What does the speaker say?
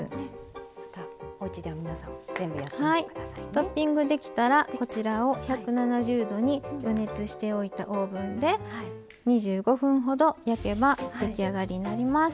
トッピングできたらこちらを１７０℃に予熱しておいたオーブンで２５分ほど焼けば出来上がりになります。